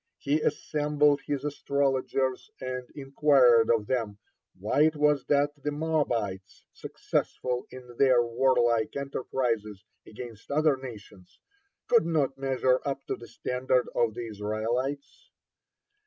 He assembled his astrologers and inquired of them, why it was that the Moabites, successful in their warlike enterprises against other nations, could not measure up to the standard of the Israelites.